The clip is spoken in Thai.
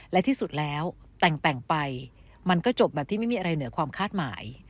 และที่สุดแล้วแต่งไปมันก็จบแบบที่ไม่มีอะไรเหนือความคาดหมาย